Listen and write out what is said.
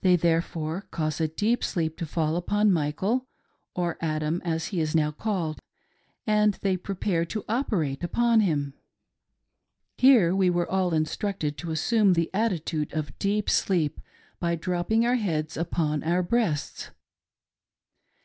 They, therefore, cause a deep sleep to fall upon Michael — or Adam as he is now called — and tbey pre pare to Operate upon him. Here we were all instructed to assume the attitude of deep sleep by dropping our heads upon our breasts.